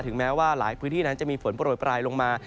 แม้ว่าหลายพื้นที่นั้นจะมีฝนโปรดปลายลงมา